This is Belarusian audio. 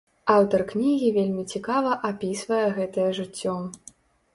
Аўтар кнігі вельмі цікава апісвае гэтае жыццё.